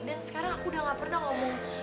dan sekarang aku udah gak pernah ngomong